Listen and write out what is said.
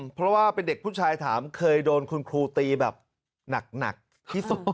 เพราะว่าเป็นเด็กผู้ชายถามเคยโดนคุณครูตีแบบหนักที่สุด